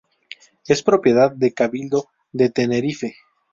Es propiedad del Cabildo de Tenerife.